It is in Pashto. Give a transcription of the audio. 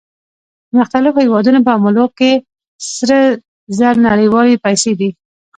د مختلفو هېوادونو په معاملو کې سره زر نړیوالې پیسې دي